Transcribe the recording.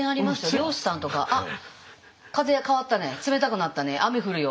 漁師さんとか「あっ風変わったね冷たくなったね雨降るよ」